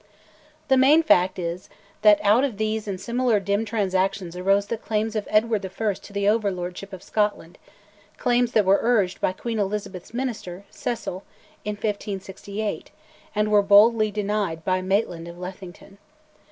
The main fact is that out of these and similar dim transactions arose the claims of Edward I. to the over lordship of Scotland, claims that were urged by Queen Elizabeth's minister, Cecil, in 1568, and were boldly denied by Maitland of Lethington.